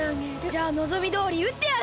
じゃあのぞみどおりうってやる！